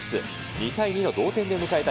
２対２の同点で迎えた